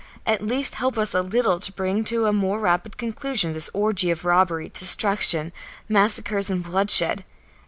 At least help us a little to bring to a more rapid conclusion this orgy of robbery, destruction, massacres, and bloodshed.